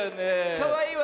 かわいいわ。